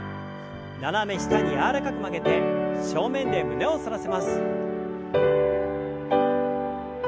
斜め下に柔らかく曲げて正面で胸を反らせます。